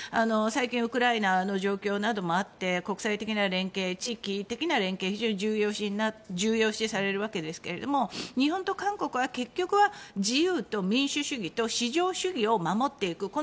最近、ウクライナの状況などもあって国際的な連携、地域的な連携が非常に重要視されるわけですが日本と韓国は結局は自由と民主主義と市場主義を守っていく。